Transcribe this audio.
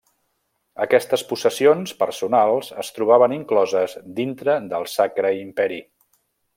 Aquestes possessions personals es trobaven incloses dintre del Sacre Imperi.